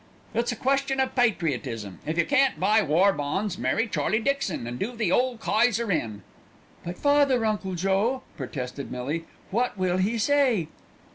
"It's a question of patriotism. If you can't buy War Bonds, marry Charlie Dixon, and do the ole Kayser in." "But father, Uncle Joe?" protested Millie. "What will he say?"